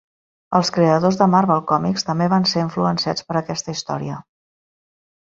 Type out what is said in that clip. Els creadors de Marvel Comics també van ser influenciats per aquesta història.